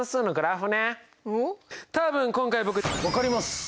多分今回僕分かります！